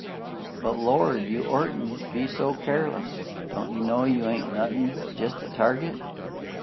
"But Lord! You ortn't be so careless! Don't you know you ain't nothin' but jest a target?